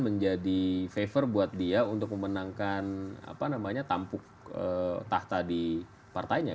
menjadi favor buat dia untuk memenangkan tampuk tahta di partainya